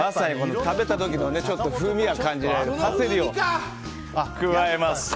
食べた時のちょっと風味が感じられるパセリを加えます。